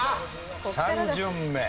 ３巡目。